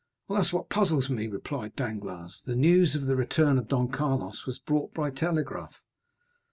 "Well, that's what puzzles me," replied Danglars; "the news of the return of Don Carlos was brought by telegraph."